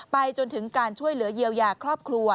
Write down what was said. จนถึงการช่วยเหลือเยียวยาครอบครัว